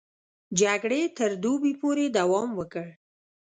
جګړې تر دوبي پورې دوام وکړ.